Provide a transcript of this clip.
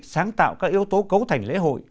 sáng tạo các yếu tố cấu thành lễ hội